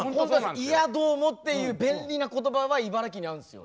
「いやどうも」っていう便利な言葉は茨城にあるんですよ。